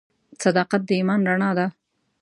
• صداقت د ایمان رڼا ده.